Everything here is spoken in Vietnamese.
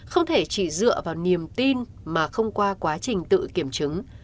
không thể chỉ dựa vào niềm tin mà không qua quá trình tự kiểm chứng